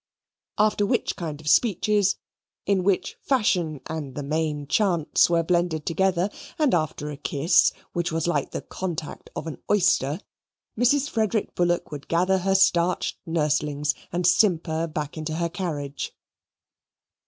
After which kind of speeches, in which fashion and the main chance were blended together, and after a kiss, which was like the contact of an oyster Mrs. Frederick Bullock would gather her starched nurslings and simper back into her carriage.